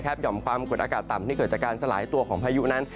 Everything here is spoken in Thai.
ห่อมความกดอากาศต่ำที่เกิดจากการสลายตัวของพายุนั้น